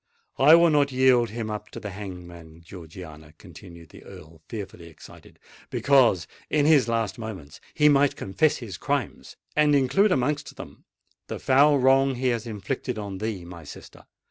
I will not yield him up to the hangman, Georgiana," continued the Earl, fearfully excited; "because in his last moments he might confess his crimes, and include amongst them the foul wrong he has inflicted on thee, my sister!